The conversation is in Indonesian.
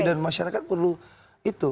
dan masyarakat perlu itu